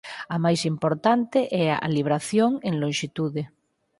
A máis importante é a libración en lonxitude.